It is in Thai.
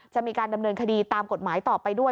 จะมีการดำเนินคดีตามกฎหมายต่อไปด้วย